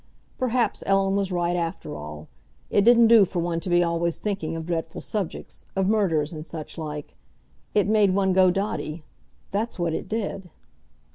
Perhaps Ellen was right after all. It didn't do for one to be always thinking of dreadful subjects, of murders and such like. It made one go dotty—that's what it did.